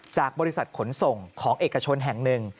จากบริษัทขนส่งของเอกชนแห่งหนึ่ง